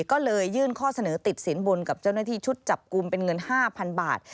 ก็เลยยื่นข้อเสนอติดสินบนกับเจ้าหน้าที่ชุดจับกลุ่มเป็นเงิน๕๐๐๐บาท